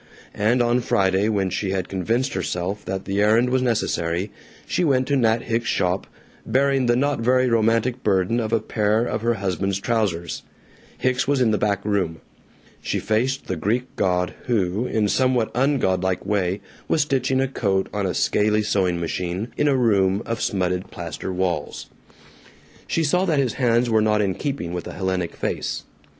And on Friday, when she had convinced herself that the errand was necessary, she went to Nat Hicks's shop, bearing the not very romantic burden of a pair of her husband's trousers. Hicks was in the back room. She faced the Greek god who, in a somewhat ungodlike way, was stitching a coat on a scaley sewing machine, in a room of smutted plaster walls. She saw that his hands were not in keeping with a Hellenic face.